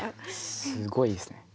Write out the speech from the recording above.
すごいですね。